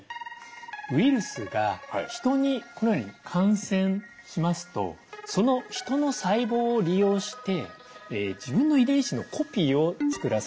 ウイルスが人にこのように感染しますとその人の細胞を利用して自分の遺伝子のコピーを作らせます。